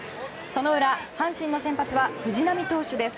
その裏、阪神の先発は藤浪投手です。